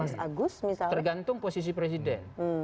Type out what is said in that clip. mas agus tergantung posisi presiden